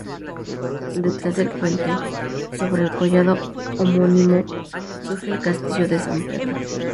Detrás del Puente, sobre el collado homónimo, surge el Castillo de San Pedro.